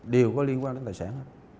đều có liên quan đến tài sản